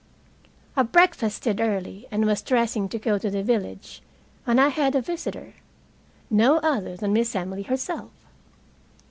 I breakfasted early, and was dressing to go to the village when I had a visitor, no other than Miss Emily herself.